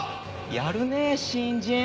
やるねぇ新人。